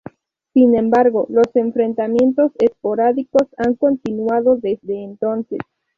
Sin embargo, los enfrentamientos esporádicos han continuado desde entonces.